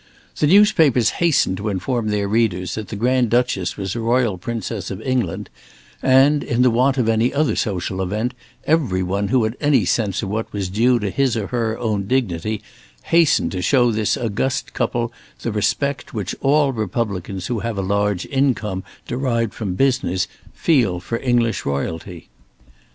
The newspapers hastened to inform their readers that the Grand Duchess was a royal princess of England, and, in the want of any other social event, every one who had any sense of what was due to his or her own dignity, hastened to show this august couple the respect which all republicans who have a large income derived from business, feel for English royalty.